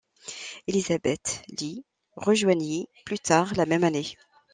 Elizabeth l'y rejoignit plus tard la même année.